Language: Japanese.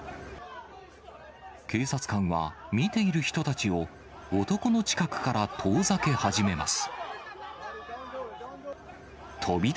警察官は、見ている人たちを、男の近くから遠ざけ始めます。